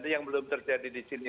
yang belum terjadi disini